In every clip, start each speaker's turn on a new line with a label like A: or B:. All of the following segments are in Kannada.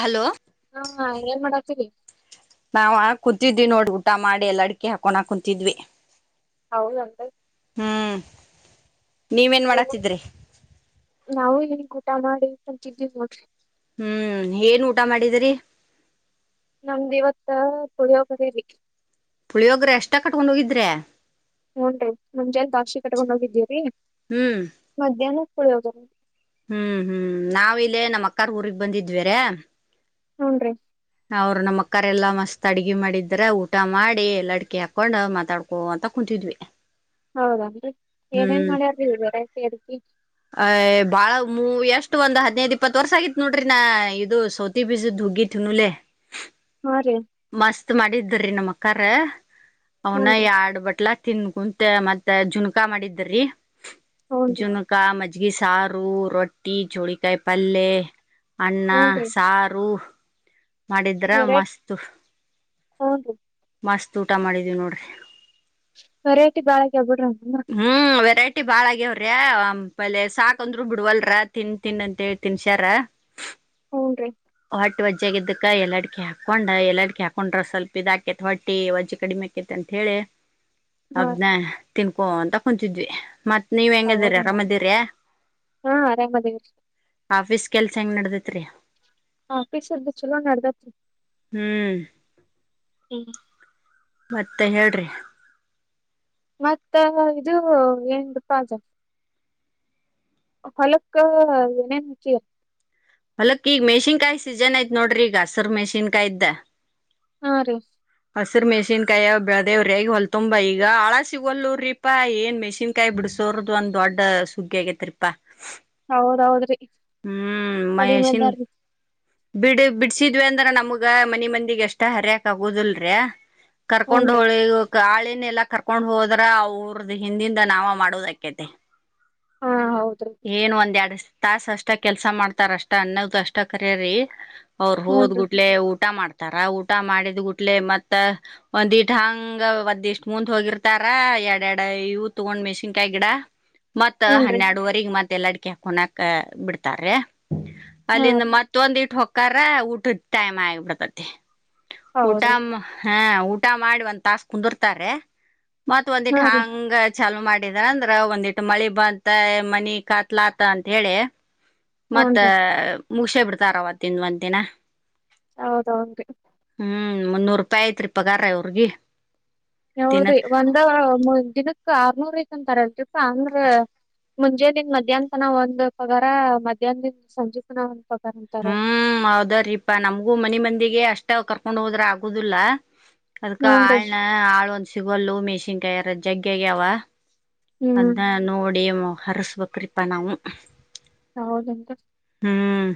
A: ಹಲೋ
B: ಹಾ ಏನ್ ಮಾಡಾತೀರಿ.
A: ನಾವ ಕುಂತಿದ್ವಿ ನೋಡ್ ಊಟ ಮಾಡಿ ಎಲ್ಲ ಅಡಿಕೆ ಹಾಕೊನ ಕುಂತಿದ್ವಿ
B: ಹೌದ ಅಂಕಲ್.
A: ಹ್ಮ್ ನೀವೇನ್
B: [unintelligible]
A: ಮಾಡಾತಿದ್ರಿ
B: ನಾವು [unintelligible] ಊಟ ಮಾಡಿ. [unintelligible]
A: ಹ್ಮ್ ಏನ್ ಊಟ ಮಾಡಿದಿರಿ.
B: ನಮ್ದು ಇವತ್ತ ಪುಳಿಯೋಗರೆ ರೀ.
A: ಪುಳಿಯೊೋಗ್ರ ಅಷ್ಟ ಕಟ್ಕೊಂಡ ಹೋಗಿದ್ರೆ.
B: ಹನ್ ರೀ ಮುಂಜೆ ಬಾಕ್ಸ್ಗೆ ಕಟ್ಕೊಂಡ್ ಹೋಗಿದ್ದೀರಿ.
A: ಹ್ಮ್
B: ಮಧ್ಯಾಹ್ನ. ಪುಳಿಯೋಗರೆ.
A: ಹ್ಮ್ ಹ್ಮ್ ನಾವ ಇಲ್ಲೇ ನಮ್ಮ್ ಅಕ್ಕಾರ್ ಊರಿಗೆ ಬಂದಿದ್ವ ರೀ.
B: ಹುನ್ ರೀ.
A: ಅವ್ರ ನಮ್ಮ ಅಕ್ಕರೆ ಎಲ್ಲಾ ಮಸ್ತ್ ಅಡ್ಗೆ ಮಾಡಿದ್ರ ಊಟ ಮಾಡಿ ಎಲೆ ಅಡ್ಕೆ ಹಾಕೊಂಡ್ ಮಾತಾಡ್ಕೋ ಅಂತ ಕುಂತಿದ್ವಿ.
B: ಹೌದನ್ರಿ ಏನೇನ್
A: ಹ್ಮ್
B: ಮಾಡ್ಯಾರಿ ವೆರೈಟಿ ಅಡಗಿ.
A: ಏಟು ಒಂದ್ ಹದಿನೈದು ಇಪ್ಪತ್ ವರ್ಷ ಆಗಿತ್ತು ನೋಡ್ರಿ ನಾ ಇದು ಸೌತಿ ಬೀಜದ ಹುಗಿ ತಿನನುೇ.
B: ಹ ರೀ.
A: ಮಸ್ತ್ ಮಾಡಿದ್ರ್ರಿ ನಮ್ಮ ಅಕ್ಕರ. ಅವನ
B: ಹೂನ್ರಿ
A: ಎರಡ್ ಬಟ್ಲ ತಿನ್ಕೊಂತ ಮತ್ತ ಜುನ್ಕಾ ಮಾಡಿದ್ದ್ರರಿ.
B: ಹೂನ್ರಿ
A: ಜುನಕಾ ಮತ್. ಸಾರು ರೊಟ್ಟಿ ಚೋಳಿಕಾಯಿ ಪಲ್ಲೆ. ಅನ್ನ
B: ಹೂನ್ರಿ
A: ಸಾರು. ಮಾಡಿದ್ರ ಮಸ್ತ್.
B: ಹು ರೀ.
A: ಮಸ್ತ್ ಊಟ ಮಾಡಿದೀವಿ ನೋಡ್ರಿ.
B: ವೆರೈಟಿ ಬಾಳ. ಆಗ್ಯಾವ್ ಬಿಡ್ರಿ ಹಂಗಂದ್ರ
A: ಹ್ಮ್ ವೆರೈಟಿ. ವೆರೈಟಿ ಬಾಳ ಆಗ್ಯವ್ರಿ ಆ ಪಲ್ ಸಾಕ ಅಂದ್ರು ಬಿಡ್ವಲ್ರ ತಿನ್ ತಿನ್ ಅಂತ ಹೇಳ್ ತಿನ್ಶ್ಯಾರ.
B: ಹ್ನ್ ರೀ.
A: ಒಟ್ಟ ವಜ್ಜಾಗ ಇದಿದ್ದಕ್ಕ ಎಲ್ಲಾಡಕಿ ಹಾಕೊಂಡ ಎಲ್ಲಾಡಕಿ ಹಾಕೊಂಡ್ರ ಸ್ವಲ್ಪ ಇದಾಕೇತ್ ಹೊಟ್ಟಿ ವಜ್ಜ ಕಡಿಮೆ ಆಾಕೇತಿ ಅಂತ ಹೇಳಿ.
B: ಹಾ
A: ಅದನ.
B: ರೀ
A: ತಿನ್ಕೊಂತ ಕುಂತಿದ್ವಿ ಮತ್ತೆ ನೀವ್ ಹೆಂಗದಿರಿ
B: ಹೌದನ್ರಿ
A: ಅರಾಮದೀರಿ
B: ಹಾ ಆರಾಮ್ ಅದೇವ್ರಿ
A: ಆಫೀಸ್. ಕೆಲ್ಸ ಹೆಂಗ್ ನಡೀತೈತೆ ರೀ.
B: ಆಫೀಸ್ ಅಲ್ಲಿ ಚಲೋ ನಡೆದತ್.
A: ಹ್ಮ್.
B: ಹ್ಮ್.
A: ಮತ್ತೆ ಹೇಳ್ರಿ.
B: ಮತ್ತ ಇದು ಏನ್ ಗೊತ್ತಾಯ್ತು ಹೊಲಕ್ಕ ನನ್ಚ
A: ಹೊಲಕ್ ಈಗ ಮೆಷನ್ ಕಾಯಿ ಸೀಜನ್ ಆಯ್ತ್ ನೋಡ್ರಿ ಈಗ ಹಸರು ಮೆಷಿನ್ ಕಾಯ ಇದ್ದ
B: ಹಾ ರೀ
A: ಹಸ್ರ ಮೆಷಿನ್ಕಾಯಿ ಬೆಳೆದೇವಿರಿ ಈಗ ಹೊಲ್ ತುಂಬಾ ಈಗ ಆಳ ಸಿಗಲ್ವ್ರಿಪಾ ಏನ್ ಮೆಷಿನ್ಕಾಯಿ ಬಿಡಸೋರದ ಒಂದ ದೊಡ್ಡ ಸುಗ್ಗಿ ಆಗೇತ್ರಿಪಾ
B: ಹೌದೌದ್ರಿ
A: ಹ್ಮ್
B: ಕಡಿಮೆ
A: ಮಹಷನ್
B: ಅದಾರ್ರೀ
A: ಬಿಡ್ ಬಿಡ್ಸಿದ್ವಿ ಅಂದ್ರ ನಮ್ಗ ಮನಿ ಮಂದಿಗ್ ಎಷ್ಟ ಹರಿಯಕ್ ಆಗೋದಿಲ್ರಿ ಕರ್ಕೊಂಡ್
B: ಹೂನ್ರಿ
A: ಹೋಳಿ ಹೋಕ್ ಆಳನ್ ಎಲ್ಲ ಕರ್ಕೊಂಡ್ ಹೋದ್ರ ಅವ್ರದ ಹಿಂದಿಂದ ನಾವಾ ಮಾಡೋದಕೇತೆ
B: ಹಾ ಹೌದ್ರಿ
A: ಏನು ಒಂದ ಎರಡು ತಾಸ ಅಷ್ಟ ಕೆಲ್ಸ ಮಾಡ್ತಾರ ಅಷ್ಟ ಅನ್ನದ್ದ ಅಷ್ಟ ಕರ್ರರಿ ಅವರು ಹೋದ್
B: ಹೂನ್ರಿ
A: ಗುಟ್ಲೆ ಊಟ ಮಾಡ್ ತರಾ ಊಟ ಮಾಡಿದ್ ಗುಟ್ಲೆ ಮತ್ತ ಒಂದ್ ಇಟ್ ಹಂಗ ಒದ್ ಇಷ್ಟ ಮುಂದ್ ಹೋಗಿರ್ತಾರ ಎಡೆ ಎಡ ಇವು ತಗೊಂಡ್ ಮೆಸಿನ್ಕಾಯಿ ಗಿಡ ಮತ್ತ
B: ಹೂನ್ರಿ
A: ಹನ್ನೆರಡುುವರೆ ಮತ್ತೆ ಎಲ್ಲ ಅಡಿಕೆ ಹಾಕನಕ್ ಬಿಡ್ತಾರ್ರೀ
B: ಹಾ
A: ಅಲ್ಲಿಂದ
B: ರೀ
A: ಮತ್ತೊಂದ ಇಟ್ಟ ಹಾಕ್ ಕರ ಊಟದ ಟೈಮ್ ಆಗಿಬಿಡ್ತತಿ ಊಟ
B: ಹೌದ್ರಿ
A: ಹಾ ಊಟ ಮಾಡಿ ಒಂದ್ ತಾಸ ಕುಂದರ್ತಾರ್ರೀ ಮತ್ ಒಂದಿಟ್ಟ
B: ಹಾ ರೀ
A: ಹಂಗ ಚಾಲು ಮಾಡಿದಾರ ಅಂದ್ರ ಒಂದಿಟ್ಟು ಮಳಿ ಬಂತ ಮನಿ ಕಾತ್ಲಾತ ಅಂತ ಹೇಳಿ ಮತ್ತ
B: ಹೂನ್ರಿ
A: ಮುಗುಸೇ ಬಿಡ್ತಾರ ಅವತ್ತಿಂದ ಒಂದ ದಿನ
B: ಹೌದೌದು ರಿ
A: ಹ್ಮ್ ಮುನ್ನೂರೂಪಾಯಿ ಐತ್ರಿ ಪಗಾರ ಇವ್ರಗಿ
B: ಹೌದ್ರಿ
A: ದಿನಕ್
B: ಒಂದ ದಿನಕ ಕ ಆರ್ನೂರ ಐತ ಅಂತರ್ ಅಲ್ರೀ ಅಂದ್ರೆ ಮುಂಜೆ ನಿಂದ್ ಮಧ್ಯಾಹ್ನ ತನ ಒಂದ ಪಗಾರ ಮಧ್ಯಾಹ್ನ ದಿಂದ ಸಂಜೆ ತನ ಪಗಾರ ಅಂತಾರ
A: ಹ್ಮ್ ಹೌದರೀಪ ನಮ್ಗೂ ಮನಿ ಮಂದಿಗೆ ಅಷ್ಟ ಸ್ಟ ಕರ್ಕೊಂಡ್ ಹೋದ್ರೆ ಆಗುವದಿಲ್ಲ ಅದಕ್ಕ
B: ಹೂನ್ರಿ
A: ಆಳ್ನ ಆಳ್. ಅಲ್ಲೂ ಮೆಸಿನ್ಕಾಯಿರ ಜಗ್ಗೆಗೆ್ಯಾವ.
B: ಹ್ಮ್
A: ಅಂತ ನೋಡಿ ಮಕ್ ಹರಸಿ ಕೋತಿವಿಪ ನಾವು.
B: ಹೌದಂತ.
A: ಹ್ಮ್.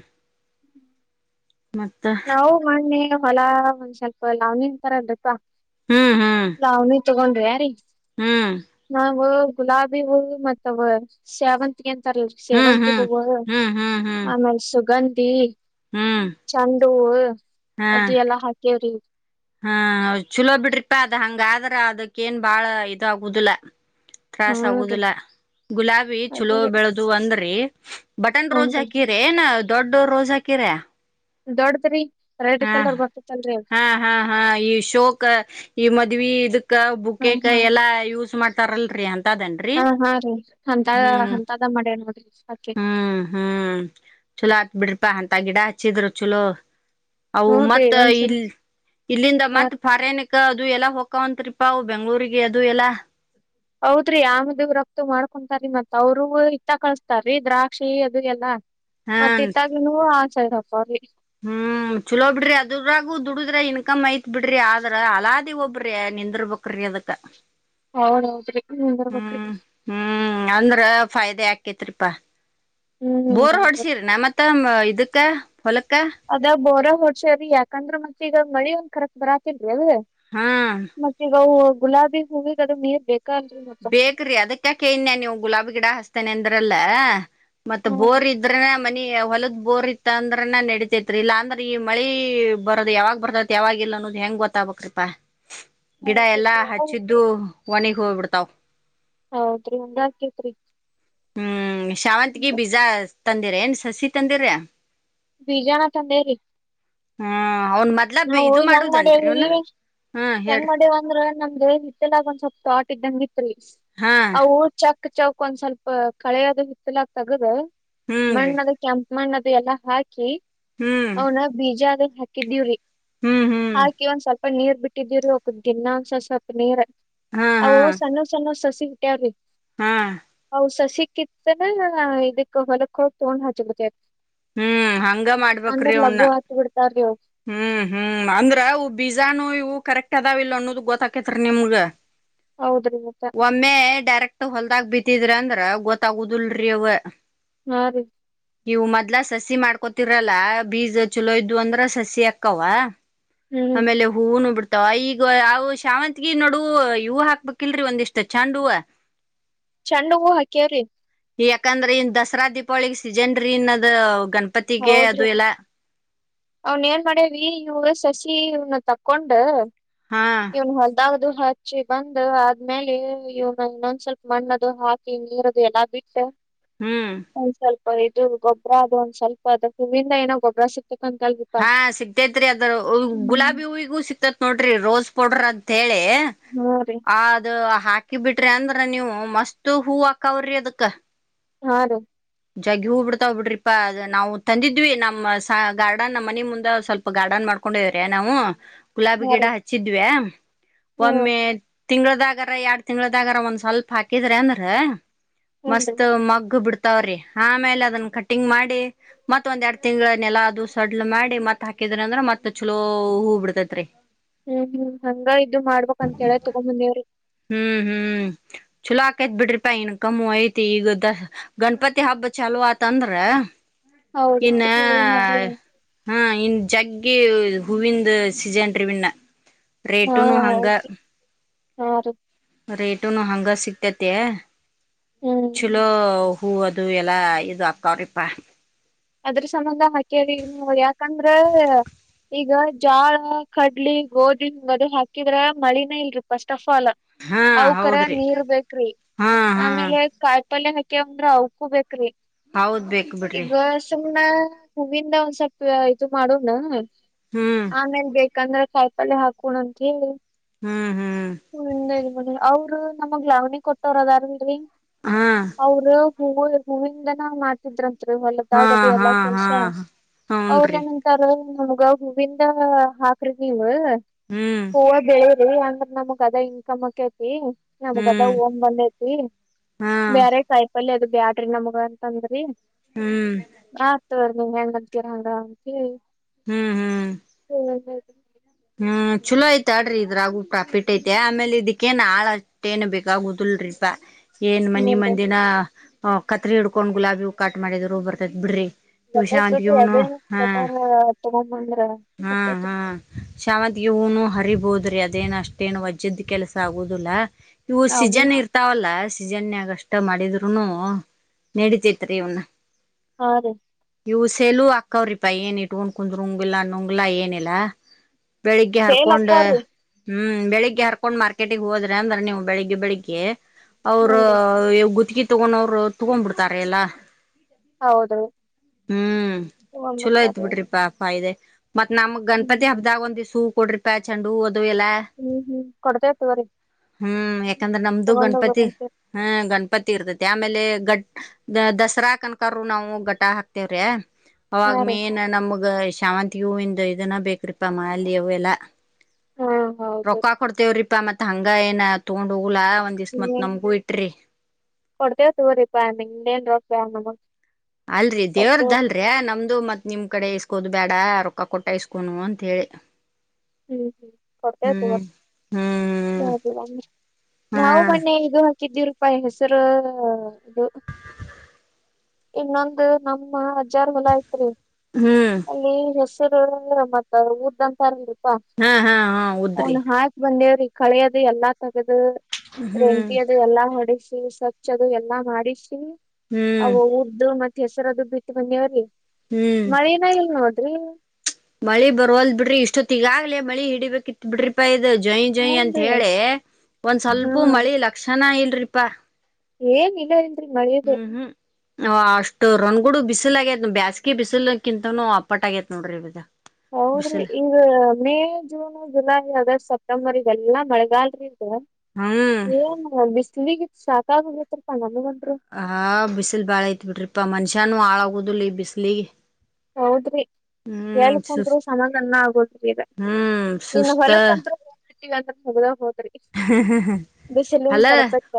A: ಮತ್ತ
B: ನಾವು ಮಾಡಣೇ. ಹೊಲಾ ಒಂದ್ ಸ್ವಲ್ಪ ಲಾಂಗಿಂಗ್ ತರ ಇ [unintelligible]
A: ಹ್ಮ್ ಹ್ಮ್
B: ನವ್ನಿತ್. ತಗೊಂಡ್ರಿ ಯಾರೀ.
A: ಹ್ಮ್
B: ನಾವು. ಗುಲಾಬಿ ಹು ಮತ್ತೆ ಸಾವಂತಿ. ಏನ್ ತರ್ಲಿ
A: ಹ್ಮ್
B: ಸೇವಂತಿ ಹೋಗು
A: ಹ್ಮ್ ಹ್ಮ್ ಹ್ಮ್ ಹ್ಮ್
B: ಆಮೇಲೆ ಸುಗಂಧ. [inaudible]
A: ಹ್ಮ್.
B: ಚಂಡೂ ಹೂವ್.
A: ಹಾ
B: ಅದು ಎಲ್ಲ ಹಾಕಿ. [unintelligible]
A: ಹಾ ಚಲೋ ಬಿಡ್ರಿಪಾ ಅದ ಹಂಗಾದ್ರ ಅದಕ್ಕೇಏನ್ ಬಾಳ ಇದಾಗುದಿಲ್ಲ. ತ್ರಾಸ
B: ಹ್ಮ್ರಿ
A: ಆಗುದಿಲ್ಲ ಗುಲಾಬಿ ಚಲೋ
B: ಅದೇರಿ
A: ಬೆಳೆದು ಅಂದ್ರಿ. ಬಟನ್ ರೋಜ
B: ಹೂನ್ರಿ
A: ಹಾಕಿರ ನಾವ್ ದೊಡ್ಡ. ರೋಜ ಹಾಕಿರ.
B: ದೊಡ್ಡ ರೀ.
A: ಹಾ ಹಾ ಹಾ ಹಾ ಈ ಶೋಕ. ಈ ಮದುವೇ ಇದಕ.
B: ಹಾ
A: ಬುಕಕೆ
B: ಹಾ
A: ಎಲ್ಲಾ ಯೂಸ್ ಮಾಡ್ ತರಲ್ಲಲ್ರಿ ಅಂತ.
B: ಹಾ ಹಾ ರೀ ಅಂತ ಅಂತದ ಮೆಡನ್ ಹ್ಮ.
A: ಹ್ಮ್ ಹ್ಮ್ ಚಲೋ ಆತ್ ಬಿಡ್ರಪಾ ಅಂತ. ಗಿಡ ಹಚ್ಚಿದ್ರ ಚಲೋ. ಅವು
B: ಹೂನ್ರಿ
A: ಮತ್ತ ಇ
B: ಒಂದ್ಸರಿ
A: ಇಲ್ಲಿಂದ
B: ಹಾ
A: ಮತ್ತ್ ಫಾರೇನಕ್. ಅದು ಎಲ್ಲಾ ಹೊಕ್ಕವಂತ್ರಿಪಾ ಅವು ಬೆಂಗ್ಗಳೂರಿಗೆ ಅದು ಎಲ್ಲ.
B: ಹೌದ್ರಿ ಆಮದು ರಕ್ತ ಮಾಡ್ಕೊಂತಾರೀ ಮತ್ ಅವ್ರರು ಇತ್ತ ಕಳಸ್ತಾರಿ ದ್ರಾಕ್ಷಿ ಅದು ಎಲ್ಲಾ. ಮತ್ತ
A: ಹನ್
B: ಇತ್ತಾಗನುವು. [unintelligible]
A: ಹ್ಮ್ ಚಲೋ ಬಿಡ್ರಿ ಅದ್ರಾಗು ದುಡುದ್ರ ಇನ್ಕಮ್ ಐತ್ ಬಿಡ್ರಿ ಆದ್ರ ಅಲಾದಿ ಒಬ್ರಿ ನಿಂದರ್ಬಕ್ರಿ ಅದಕ್ಕ.
B: ಹೌದೌದ್ರಿ. ಹ್ಮ್ ಬರಬೇಕ್ರಿ.
A: ಹ್ಮ್ ಅಂದ್ರ ಫಾಯ್ದೆ ಆಕ್ಯಾತ್ರಿಪಾ.
B: ಹ್ಮ್
A: ಬೋರ್ ಹೊಡ್ಸಿರನ ಮತ್ತ ಇದಕ್. ತ್ತ
B: ಅದ ಬೋರ ಹೊಡ್ಸೆವ್ರಿ ಯಾಕಂದ್ರ ಮತ್ತ ಈಗ. ಮಳಿ ಒಂದ ಕರಕ್ಟ ಬರಾತ್ತಿಲ್. ಎಲ್ಲಿಗೆ
A: ಹ್ಮ್
B: ಮತ್ ಈಗ ಅವು. ಗುಲಾಬಿ ಹೂವಿಗೆ ಅದು ನೀರ್ ಬೇಕು.
A: ಬೇಕ್ರಿ ಅದಕ್ಕಾ ಕೇಯ್ನ ನೀವು ಗುಲಾಬಿ ಗಿಡ ಹಸ್. ತನ ಅಂದ್ರಲ್ಲ. ಮತ್ತೆ ಬೋರ್ ಇದ್ರೆ ಮನಿ ಹೊಲದ ಬೋರ್ ಇತ್ತ ಅಂದ್ರನ ನಡೀತೇತ್ರಿ ಇಲ್ಲ ಅಂದ್ರ ಈ ಮಳಿ ಬರದ್ ಯಾವಾಗ್ ಬರ್ತತ್ ಯಾವಾಗ ಇಲ್ಲ ಅನ್ನೋದು ಹೆಂಗ್ ಗೊತ್ತಾಗಬೇಕ್ರೀಪಾ. ಗಿಡ
B: ಹೌದ್ರಿ
A: ಎಲ್ಲಾ ಹಚ್ಚಿದ್ದುವು ಒನಿಗ್ ಹೋಗ್ಬಿಡ್ತ [unintelligible]
B: ಹೌದ್ರಿ ಹಂಗ ಅಕೇತ್ರಿ.
A: ಹ್ಮ್ ಶಾವಂತ್ಗಿ ಬೀಜ ತಂದಿರೇನ್ ಸಸಿ ತಂದಿರ.
B: ಬಿಜಾನ ತಂದೇವ್ರಿ.
A: ಹ್ಮ ಅವ್ನ್ ಮೊದ್ಲ ಇದು ಮಾಡುದನ್ರಿ
B: ಮಾಡೇವಿ
A: ಇವ್ನ ಹ್ಮ
B: ಹೆಂಗ್
A: ಹೇಳ್ರಿ.
B: ಮಾಡೇವ ಅಂದ್ರ ನಮ್ದು ಹಿತ್ತಲಗ ಒಂದ ಸ್ವಲ್ಪ್ ತಾಟ್ ಇದ್ದಂಗ ಇ ತ್ರಿ
A: ಹಾ
B: ಅವು ಚ ಕ್ಕ ಚೌಕ್ ಒಂದ್ ಸ್ವಲ್ಪ ಕಳೆಯದು ಹಿತ್ತಲಕ್ ತಗದು.
A: ಹ್ಮ್ ರೀ
B: ಮಣ್ಣ ಅದು ಕಂಪ್. ಮಣ್ಣದು ಎಲ್ಲಾ ಹಾಕಿ.
A: ಹ್ಮ್
B: ಅವನ ಬೀಜಾ ರಿ. ಹಾಕಿದ್ದೀವ್ರೀ
A: ಹ್ಮ್
B: [inaudible]
A: ಹ್ಮ್
B: ಹಾಕ ಒಂದ್ಸಲ್ ಪ ನೀರ್ ಬಿಟ್ಟಿದಿರಿ ದಿನಾಂದ್ಸಸಲ್ಪ ನೀರ್
A: ಹಾ ಹಾ
B: ಓ ಸಣ್ಣ ಸಣ್ಣ ಸಸಿ [unintelligible]
A: ಹಾ
B: ಸಸಿಕಿತ್ತನ್ ಇದಕ್ ಹೊಲಕ್ಕ್ ಫೋನ್ ಹಚ್ಬಿಡ್ತ್
A: ಹ್ಮ್ ಹಂಗ ಮಾಡ್ಬೇಕ್ರಿ ಅವ್ನ.
B: ಆತ್ ಬಿಡ್ತಾರ್ರಿ ಅವ್.
A: ಹ್ಮ್ ಹ್ಮ್ ಅಂದ್ರವು ಬೀಜಾನೋ ಇವು ಕರೆಕ್ಟ್ದಾವಿಲ್ಲ ಅನ್ನೋದ ಗೊತ್ತಕತ್ರಿ ನಿಮ್ಗ.
B: ಹೌದ್ರಿ ಮತ್ತ
A: ಒಮ್ಮೆ ಡೈರೆಕ್ಟ್ ಹೊಲ್ದಾಗ ಬಿತ್ತಿದ್ರ ಅಂದ್ರ್. ಗೊತ್ತಾಗುದಿಲ್ರಿ ಅವ.
B: ಹಾ ರೀ
A: ವ್ ಮತ್. ಲ್ಲ ಸಸಿ ಮಾಡ್ಕೋತಿರಲ್ಲ ಬೀಜ ಚಲೋದ್ದು ಅಂದ್ರ ಸಸಿ ಅಕ್ಕವ.
B: ಹ್ಮ್
A: ಆಮೇಲೆ ಹೂ ನು ಬಿಡ್ತ್ ಈಗ ಅವು ಶಾವಂತ್ಗಿನಡುವ್ ಇವು ಹಾಕ್ಬೇಕಿಲ್ರರಿ ಒಂದಿಷ್ಟ್ ಚಾಂಡುವ್.
B: ಚೆಂಡ್ ಹೂ ಹಾಕೇವ್ರಿ.
A: ಯಾಕಂದ್ರೆ ಇನ್ ದಸ್ರಾ ದೀಪಾವಳಿ ಇನ್ ಸಿಜನ್ ರೀ ಇನ್ನದ್. ಗಣ್ಪತಿಗೆ ಅದು ಎಲ್ಲ.
B: ಅವ್ನೆನ್ ಮಾಡೇವ್ರಿ ಇವ ಶಶಿ ಇನ್ ತಕೊಂಡ್.
A: ಹಾ
B: ಇನ್ ಹೊಲ್ದಾ ಅದು ಹಚ್ಚಿ ಬಂದು ಆದ್ಮೇಲೆ ಇವ ಇನ್ನೊಂದ್ ಸ್ವಲ್ಪ ಮಣ್ಣದು ಹಾಕಿ ನೀರದು ಎಲ್ಲಾ ಬಿಟ್ಟ
A: ಹ್ಮ್
B: ಒಂದ್ ಸ್ವಲ್ಪ ಇದು ಗೊಬ್ರ ಅದು ಒಂದ್ಸಲ್ ಪ್ ಅದುಕ್ ನಿಮ್ಮಿಂದ ಏನ ಗೊಬ್ರ ಸಿ
A: ಹಾ ಸಿಗ್ತೇತ್ರಿ ಅದ್ರ
B: ಹ್ಮ್
A: ಗುಲಾಬಿ ಹೂವಿಗೂ ಸಿಕ್ತೇತ್ ನೋಡ್ರಿ ರೋಸ್ ಕೊಡ್ರ್ ಅತ್ಹೇಳಿ.
B: ಹಾ ರೀ
A: ದು ಅದ್ ಹ ಕ್ಕಿ ಬಿಟ್ರಿ ಅಂದ್ರ ನೀವು ಮಸ್ತ್ ಹೂ ಹಾಕಾವ್ರಿ ಅದಕ್
B: ಹಾ ರೀ
A: ಜಗ್ಗಿ ಹೂ ಬಿಡ್ತಾವ್ ಬಿಡ್ರಿಪಾ ಅದ್ ನಾವು ತಂದಿದ್ವಿ ನಮ್ಮ ಸ ಗಾರ್ಡ್ ರ್ಡನ್ ನಮ್ಮನಿ ಮುಂದ ಸ್ವಲ್ಪ ಗಾರ್ಡನ್ ಮಾಡ್ಕೊಂಡವ್ರೆ ನಾವುಂ. ಗುಲಾಬಿ
B: ಹಾ
A: ಗಿಡ
B: ರೀ
A: ಹಚ್ಚಿದ್ವಿ.
B: ಹ್ಮ್
A: ಒಮ್ಮೆ ತಿಂಗ್ಳದಾಗರ ಎರಡ್ ತಿಂಗಳದಾಗರ ಒಂದ್ ಸ್ವಲ್ಪ ಫಾಕಿದ್ರ್ಯಾನ್ರ.
B: ಹೂನ್ರಿ.
A: ಮಸ್ತ ಮಗ್ಗ ಬಿಡ್ತ. ತವ್ರಿ ಆಮೇಲೆ ಅದನ್ನ ಕಟಿಂಗ್ ಮಾಡಿ ಮತ್ತ ಒಂದ್ ಎರಡ್ ತಿಂಗಳನೆೆಲಾ ಅದುಸ. ಸಡ್ಲ್ ಮಾಡಿ ಮತ್ ಹಾಕಿದ್ರ್ಯ ಅಂದ್ರ ಮತ್ ಛೊಲೋ ಹೂ ಬಿಡ್ತೇತ್ರಿ.
B: ಹ್ಮ್ ಹ್ಮ್ ಹಂಗ ಇದು ಮಾಡ್ಬೇಕ ಅಂತ ಹೇಳೆ ತೊಗೊಂಮ ಬಂದೇವ್ರಿ.
A: ಹ್ಮ್ ಹ್ಮ್ ಛೊಲೋ ಆಕೈತ್ ಬಿಡ್ರಿಪಾ ಇನ್ ಕಮ್ಮವ ಐತಿ ಈ ಗದ್ದಾ ಗಣಪತಿ ಹಬ್ಬ ಛಾಲೂ ಆತಂದ್ರ.
B: ಹೌದರ್ರಿ [unintelligible]
A: ಹ ಇನ್ ಜಗ್ಗಿ ಹೂವಿಂದ ಸೀಝನ್ ರೀವಿನ್ನ. ರೇಟುನು ಹಂಗ.
B: ಹಾರೀ.
A: ರೇಟುನು ಹಂಗ ಸಿಕ್ತ ತೈತ್ಯ.
B: ಹ್ಮ್
A: ಛೂಲೋ ಅವ್. ಹೂ ಅದು ಎಲ್ಲಾ ಇದು ಆಕ್ಕಾವ್ರಿಪ್ಪಾ.
B: ಅದ್ರ ಸಂಬಂಧ ಹಾಕೇವ್ರಿ ಇನ್ನು ಯಾಕಂದ್ರ ಈಗ ಜ್ವಾಳಾ ಕಡ್ಲಿ ಗೋಧಿ ಹಿಂಗದು ಹಾಕಿದ್ರ ಮಳಿನ ಇಲ್ರಿ ಪಸ್ಟಫ್. ಫಲ
A: ಹಾ
B: ಅವ್ ಕರೆ
A: ಹೌದ್ರಿ
B: ನೀರ್ ಬೇಕ್ರಿ
A: ಹಾ ಹಾ
B: ಆಮೇಲೆ ಕಾಯಿ ಪಲ್ಯ ಹಾಕ್. ಕ್ಕೆ ಅವುಂದ್ರ ಉಪ್ಪು ಬೇಕ್ ರ್ರಿ.
A: ಹೌದ್ ಬೇಕುಬಿಡ್ರಿ.
B: ಕ ಹೂವಿಂದ ಒಂದ್ ಸ್ವಲ್ಪ ಇದು ಮಾಡೋಣ.
A: ಹ್ಮ್
B: ಆಮೇಲ ಬೇಕ್. ಕನ್ನಡ ಕಾಯಪಲ್ಲೆ ಹಾಕೋಣ ಅಂತ ಹೇಳಿ.
A: ಹ್ಮ ಹ್.
B: ಒಂದ ಹನಿ. ಅವ್ರು ನಮಗ್ ಲಾವಣಿ ಕೊಟ್ಟವರ ಅದಾರ ಅಲ್ರಿ.
A: ಅಹ್ಹ್.
B: ಹೂವುಗೆ ಹೂವಿಂಗನಾ ಮಾತ್ತಿದ್ರ. ಥ್ರ
A: ಹಾ
B: ಹೊಲದಾಗ ಅದು
A: ಹಾ
B: ಎಲ್ಲಾ
A: ಹಾ
B: ಕೆಲ್ಸಾ ಅವ್ರ
A: ಹೂನ್ರಿ
B: ಏನ್‌ ಅಂತಾರ. ನಮ್ಗ ಹೂವಿಂದ ಹಾಕ್ರಿ ನೀವ.
A: ಹ್ಮ್
B: ಹೂವ ಬೆಳೆದ. ಏ ಅಂದ್ರ್ ನಮಗ್. ಕದ ಇನ್ಕಮ್ ಆಕ್ಕೈತಿ. ನಮ್ಗದ ಅದ
A: ಹ್ಮ್
B: ಫೋನ್ ಬಂದೈತಿ
A: ಹಾ
B: ಬ್ಯಾರೆ ಕಾಯಪಲ್ಲೆ ಅದು. ಬ್ಯಾಡ್ರಿ ನಮಗ ಒಂನ್ ತಂದ್ರಿ.
A: ಹ್ಮ್.
B: ತ್ತೋರ್ ನಿವ್ ಹೆಂಗ ಅಂತಿರಾ ಹಂಗಾಂತಿ.
A: ಹ್ಮ್ ಹ್ಮ್
B: [unintelligible]
A: ಹ್ಮ್ ಛೂಲೋ ಐ ಥಡ್ರಿ ಇದ್ರಾಗು ಪಾಫಿಟ್ ಐತ್ಯಾ ಆಮೇಲೆ ಇದಿಕ್ಕೇಏನ್ ಆಳ ಅಷ್ಟ ಏನ್ ಬೇಕಾಗುದಲ್ರಿಪಾ. ಏನ್ ಮನಿ
B: ಹೂನ್ರಿ
A: ಮಂದಿನಾ. ಅವ್ ಕತ್ರಿ ಹಿಡ್ಕೊಂಡ ಗುಲಾಬಿ ಹೂ ಕಟ್ ಮಾಡಿದ್ರು ಬರ್ತೈತ್ ಬಿಡ್ಡ್ರಿ.
B: ಬರ್ತತೈತ್ ಬಿಡ್ರಿ ಅವ್ವೇ ಕಟೆಂನ ತ್ತೊಗೊಂಡ್ ಬಂದ್ರ.
A: ಶಾವಂತ್ಗಿ ಹೂನು ಹರಿಬೋದ್ರಿ ಅದೇನ ಅಷ್ಟೇನು ವಜ್ಜಿದ್ ಕೆಲಸಾ ಆಗೊದುಲ್ಲಾ. ಇವು ಸೀಜನ್
B: ಆಗುಲ್ರಿ
A: ಇರ್ತಾವಲ್ಲಾಸ್. ಸೀಝೆನ್ ನ್ಯಾಗ ಅಷ್ಟ ಮಾಡಿದ್ರುನು ನೆಡಿತೈತ್ರಿ ಇವ್ನ.
B: ಹಾ ರೀ.
A: ಇವು ಸೆಲು ಅಕ್ಕಾವ್ರಿಪಾ ಏನ ಇಟ್ಟುಂಡ ಕುಂದ್ರುಂಗಿಲ್ಲಾ ನುಂಗ್ಲಾ ಏನ ಇಲ್ಲಾ. ಬೆಳಿಗ್ಗೆ
B: ಸೇಲ್
A: ಹರ್ಕೊಂಡ.
B: ಅಕ್ಕಾವ್ರಿ
A: ಹ್ಮ್ ಬೆಳಿಗ್ಗೆ ಹರ್ಕೊಂಡ್ ಮಾರ್ಕೆಟಿಗ ಹೋದ್ರೆ ಅಂದ್ರ ನೀವು ಬೆಳಿಗ್ಗೆ ಬೆಳಿಗ್ಗೆ. ಅವರೂ
B: ಹೂನ್ರಿ
A: ಎವ್ ಗುತ್ಕಿ. ತಗೊಂನವರು ತಗೊಂಬ ಬಿಡ್ತಾರೆ ಎಲ್ಲಾ.
B: ಹೌದ್ರಿ
A: ಹ್ಮ್ ಛೂಲೋ ಐತ್
B: ತಗೊಂಬರ್ತಾರಿ ಅವ್ರ್
A: ಬಿಟ್ರಿ ಪಾ ಫಾಯದೆ. ಮತ್ತ ನಮ್ಮ್.
B: ಹ್ಮ್.
A: ಪ್ಪದ್ದೆ ಹಬ್ದಾಗ ಒಂದ ಇಸು. ಕೊಡ್ರಿ ಪ್ಯಾಚ್ಚಂಡು.
B: ಹ್ಮ ಹ್ಮ್ ಕೊಡ್ತೇವ ತ್ತೊಗೊರಿ.
A: ಹ್ಮ್ ಯಕ್. ಯಾಕಂದ್ರೆ ನಮ್ದು ಗಣಪತಿ ಹ್ಯ ಗಣಪತಿ ಇರ್ತೆದ. ತ್ಯಾಮೇಲೆ ಗಟ್ ದ ದಸರಾ ಕನಕರು ನಾವು ಗಟಾ ಹಾಕ್ತೇವ್ರೆ.
B: ಹಾ
A: ಅವಾಗ
B: ರೀ
A: ಮೇನ್ ನಮ್ಗ ಇಷ್. ಶಾವಂತ್ಗಿ ಹೂವಿಂದ ಇದನ್ನ ಬೇಕ್. ತ್ರೀಪಾ ಮಾಲಿ ಅವು ಎಲ್ಲಾ.
B: ಹಾ ಹೌದ್ರಿ
A: ರೊಕ್ಕಾ ಕೊಡ್ತೇವ ರಿಪ್ಪಾ ಮತ್ತ್. ಥಂಗ ಏನ ಥೊಗೊಂಡ ಹೋಗು.
B: [unintelligible] ಕೊಡ್ತೇವ ತೊಗೊರಿಪ್ಪಾ ನಿಗ್ದ ಏನ್ ರೋಪಯಾ ನಮಗ್
A: ಅಲ್ರರಿ ದೇವ್ರದ
B: ಕೊಡ್ತೇವ್
A: ಅಲ್ರ ನಮ್ದು ಮತ್ ನಿಮ್ ಕಡೆ ಇಸ್ ಕುದ್ ಬೇಡ ರೊಕ್ಕ ಕೊಟ್ಟ ಇಸ್ಕೋನು ಅಂತ ಹೇಳಿ.
B: ಹ್ಮ್ ಹ್ಮ್ ಕೊಡ್ತೈತಿ
A: ಹ್ಮ್
B: ಇವತ್
A: ಹ್ಮ್
B: [unintelligible]
A: ಹಾ
B: ನಾವು ಮೊನ್ನೆ ಇದು. ಕಿದ್ದಿರೂಪಾಯ ಹೆಸರು ಅದು ಇನ್ನೊಂದು ನಮ್ಮ ಅಜ್ಜ ರ್ ಹೋಲ ಆಯ್ತ. ತ್ರಿ
A: ಹ್ಮ್
B: ಅಲ್ಲಿ ಹೊಸ್. [unintelligible]
A: ಹಾ ಹಾ ಹಾ ಉದ್ರಿ.
B: ಕಳೆಯದು ಎಲ್ಲಾ ತಗದು.
A: ಹ್ಮ್
B: ರೆಂಟಿ ಅದು ಎಲ್ಲಾ ಹೊಡಿಸ್. [unintelligible] ಹಚ್ ಅದು ಎಲ್ಲಾ ಮಾಡಿಸಿ.
A: ಹ್ಮ್
B: ಅದು [unintelligible] ಮತ್ತ ಹೆಸರ ಅದು ಬಿತ್ತ ಬಂದೆವ್ರೀ.
A: ಹ್ಮ್
B: ಮಳಿನ ಇಲ್ಲ ನೋ ಟ್ರಿ
A: ಮಳಿ ಬರುವಲ್ ಬಿಡ್ರಿ ಇಷ್ಟೊತ್ತ ಈಗಾಗಲೇ ಮಳಿ ಹಿಡಿಬೇಕಿತ್ ಬಿಡ್ರಿ ಪ ಇದ. ಜೈ ಜೈ ಅಂತ
B: ಹೂನ್ರಿ
A: ಹೇಳಿ ಒಂದ್ ಸ್ವಲ್ಪ್
B: ಹ್ಮ್
A: ಮಳಿ ಲಕ್ಷಣ ಇ ಟ್ರಿಪಾ
B: ಏನ್ [unintelligible]
A: ಹ್ಮ್ ಹ್ಮ್ ಅಷ್ಟು ರನ್ಗೂಡ ಬಿಸಿಲ ಆಗೇತ್ ಬ್ಯಾಸಿಗೆ ಬಿಸಿಲಕಿಂತನು ಅಪ್ಪಾಟ್ ಆಗೇತ್ ನೋಡ್ರಿ.
B: ಹೌದ್ರಿ
A: ಬಿಸಿಲ್
B: ಈಗ May June July August September. ಎಲ್ಲಾ ಮಳಗಾಲ ರಿ. ಹ
A: ಹ್ಮ್
B: ಏನಿಲ್ಲ ಬಿಸಲಿಗ. ಸಾಕಾಗೋಗೈತ್ರಿಪ್ಪ ನನಗಂತೂ.
A: ಹ ಬಿಸಿಲ್ ಬಾಳ ಐತ್ ಬಿಡ್ರಿ. [unintelligible] ಮನುಷ್ಯಾನನು ಆಳಾಗುದಿಲ್ಲ ಈ ಬಿಸಲಿಗೆ.
B: ಹೌದ್ರಿ ಎಲ್
A: ಸುಸ್
B: ಕುಂತ್ರು ಸಮಾದಾನ್ನ ಆಗೋಲ್ತರಿ ಈಗ
A: ಹ್ಮ್
B: ಇನ್ನು ಹೊಲಕಂತರು. [unintelligible]
A: ಹ್ಮ್ ಹ್ಮ ಹಲೋ
B: ಕಡತಕ್ಕ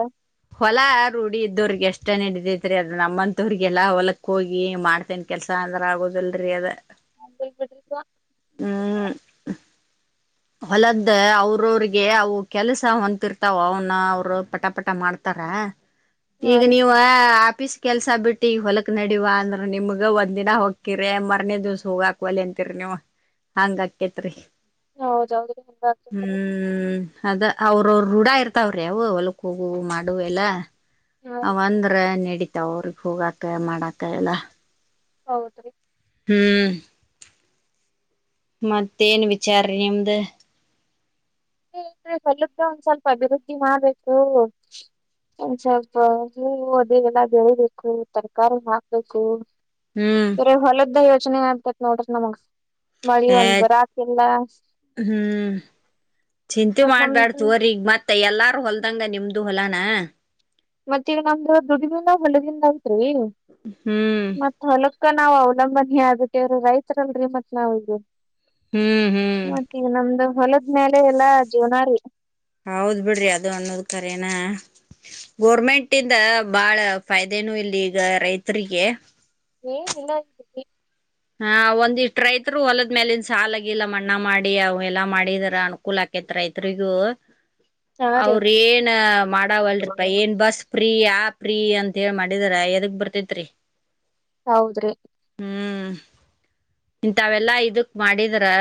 A: ಹೊಲ ರೂಢಿ ಇದ್ದವ್ರಿಗೆ ಅಷ್ಟ ನಡಿತತಿ. ರಿ ಅದ್ ನಮ್ಮಂತವ್ರಿಗೆಲ್ಲ ಹೊಲಕ್ಕ ಹೋಗಿ ಮಾಡ್ತೇನ್ ಕೆಲ್ಸ ಅಂದ್ರ ಆಗೋದಲ್ರರಿ ಅದು.
B: [unintelligible]
A: ಹೊಲದ್ ಅವ್ರವ್ರಿಗೆ ಅವು ಕೆಲಸ ಹೊಂತಿರ್ತಾವ ಅವನ್ನ ಅವರು ಪಟ ಪಟ ಮಾಡ್ತಾರ.
B: ಹಾ
A: ಈಗ
B: ರೀ
A: ನೀವ ಆಪೀಸ್ ಕೆಲ್ಸ ಬಿಟ್ಟಿ ಹೊಲಕ್ ನಡಿವಾ ಅಂದ್ರ ನಿಮ್ಗ ಒಂದಿನ ಹೋಕ್ಕಿರಿ ಮಾರನೇ ದಿವ್ಸ ಹೋಗಾಕ್ವಲಿ ಅಂತಿರಿ ನೀವ ಹಂಗ ಅಕೇತ್ರಿ.
B: [unintelligible]
A: ಅದ ಅವ್ರ ಅವ್ರ ರೂಢ ಇರ್ತಾವ್ರಿ ಅವು ಹೊಲ್ಕ್ ಹೋಗವು ಮಾಡವು ಎಲ್ಲ.
B: ಹಾ ರೀ
A: ಅವಂದ್ರ ನಡಿ ತವ್ರಿಗೆ ಹೋಗಾಕ ಮಾಡಾಕ ಎಲ್ಲ.
B: ಹೌದ್ರಿ
A: ಹ್ಮ್ ಮತ್ತೇನ್ ವಿಚಾರ ನಿಮ್ದು.
B: ಪಲ್ಲಕ್ಕೆ ಒಂದ್ ಸ್ವಲ್ಪ ಅಭಿವೃದ್ಧಿ ಮಾಡ್ಬೇಕು ಒಂದ್ ಸ್ವಲ್ಪ ಹೂವು ಅದಗೆಲ್ಲಾ ಬೆಳಬೇಕು ತರಕಾರಿ ಹಾಕ್ಬೇಕು.
A: ಹ್ಮ್
B: ಬರೆ ಹೋಲದ ಯೋ ಚನಾಗಾಗ್ತೇತಿ ನೋಡ್ರಿ ನಮಗ. ಮಳಿ
A: ಏ
B: ಒಂದ ಬರಾತಿಲ್ಲ.
A: ಹ್ಮ್ ಚಿಂತಿ
B: ಮತ್
A: ಮಾಡ್ಬ್ಯಾಡ
B: ನಮ್ದು
A: ತೊರ್ರಿ ಈಗ್ ಮತ್ತೈ. ಎಲ್ಲಾರು ಹೊಲ್ದಂಗ ನಿಮ್ದು ಹೊಲಾನ.
B: ಮತ್ತ ಈಗ ನಮ್ದು ದುಡ್ [unintelligible] ಅಂತ್ರಿ.
A: ಹ್ಮ್
B: ಮತ್ತ ಹೊಲಕ್ಕ ನಾವ ಅವ. ನಮ್ಮ ಮನಿಯಾಗ ಹುಟ್ಟೇರಿ ರೈತ್ರರಲ್ರರಿ ಮತ್ ನಾವರು.
A: ಹ್ಮ್ ಹ್ಮ್
B: ಹೊಲದ್ಮೇಲೆ ಎಲ್ಲಾ ಜೀವನಾರಿ.
A: ಹೌದ್ ಬಿಡ್ರಿ ಅದು ಅನ್ನೋದ್ ಕರೇನಾ ಗೋರ್ಮೆಂಟ್ ಇಂದ ಬಾಳ ಫೈ್ದೇನು ಇಲ್ಲಿ ಈಗ ರೈತರಿಗೆ.
B: ಏನ್ ಇಲ್ಲ [unintelligible]
A: ಹಾ ಒಂದಿಷ್ಟ್ ರೈತ್ರು ಹೊಲದ್ಮೇಲಿನ್ ಸಾಲಗಿಲ್ಲ ಮಣ್ಣಾ ಮಾಡಿ ಅವ ಎಲ್ಲಾ ಮಾಡಿದರ ಅನುಕೂಲ್ ಆಕೇತ್ ರೈತ್ರಿಗೂ.
B: ಹಾ ರೀ
A: ಅವ್ರ ಏನ ಮಾಡಾವಲ್ರಿಪ ಏನ್ ಬಸ್. ಪ್ರೀ ಯ ಪ್ರೀ ಅಂತ ಹೇಳಿ ಮಾಡಿದರ ಎದಗ್ ಬರ್ತೇತ್ರಿ.
B: ಹೌದ್ರಿ
A: ಹ್ಮ್ ಇಂತವೆಲ್ಲಾ ಇದಕ್ ಮಾಡಿದ್ರ.